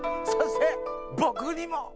そして僕にも。